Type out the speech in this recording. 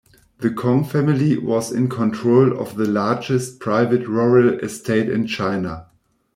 The Kong family was in control of the largest private rural estate in China.